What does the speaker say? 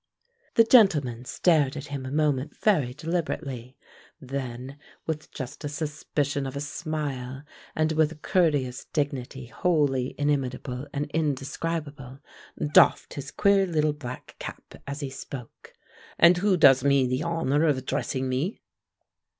The gentleman stared at him a moment very deliberately, then, with just a suspicion of a smile and with a courteous dignity wholly inimitable and indescribable, doffed his queer little black cap as he spoke: "And who does me the honor of addressing me?"